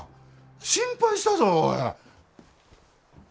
心配したぞおい。